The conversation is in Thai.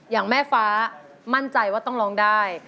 อย่างแม่ฟ้ามั่นใจว่าต้องร้องได้